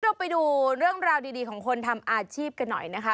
เราไปดูเรื่องราวดีของคนทำอาชีพกันหน่อยนะคะ